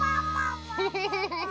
フフフフフ。